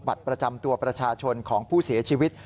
บัตรประจำตัวประชาชนของผู้เสียชีวิต